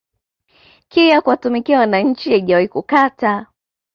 Kiu ya kuwatumikia wananchi haijawahi kukata